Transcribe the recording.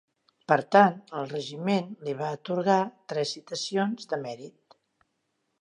Per tant, el regiment li va atorgar tres citacions de Mèrit.